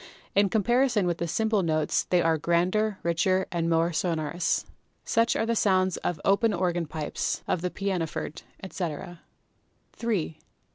In comparison with simple tones they are grander, richer and more sonorous. Such are the sounds of open organ pipes, of the pianoforte, etc. 128 PHYSICS 3.